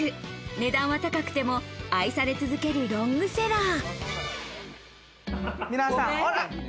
値段は高くても愛され続けるロングセラー。